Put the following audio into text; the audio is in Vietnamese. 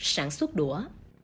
sản xuất đũa